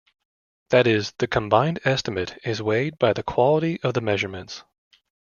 That is, the combined estimate is weighted by the quality of the measurements.